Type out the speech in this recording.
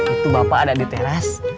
itu bapak ada di teras